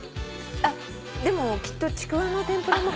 あっでもきっとちくわの天ぷらも。